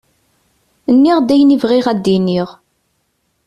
Nniɣ-d ayen i bɣiɣ ad d-iniɣ.